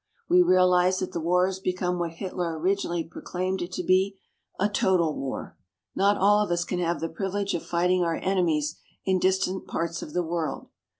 We realize that the war has become what Hitler originally proclaimed it to be a total war. Not all of us can have the privilege of fighting our enemies in distant parts of the world.